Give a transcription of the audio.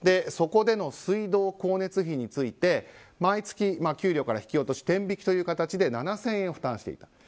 そこでの水道光熱費について毎月給料から引き落とし天引きという形で７０００円を負担している。